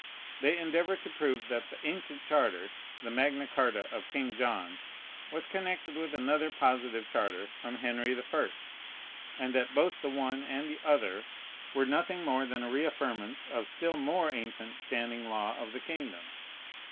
They endeavor to prove that the ancient charter, the Magna Charta of King John, was connected with another positive charter from Henry the First, and that both the one and the other were nothing more than a reaffirmance of the still more ancient standing law of the kingdom.